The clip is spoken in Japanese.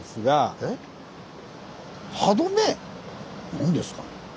何ですかね。